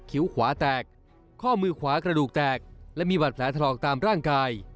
คิ้วขวาแตกข้อมือขวากระดูกแตกและมีบาดแผลถลอกตามร่างกาย